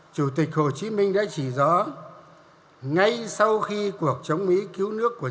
chủ tịch hồ chí minh đã chỉ rõ ngay sau khi cuộc chống mỹ cứu nước của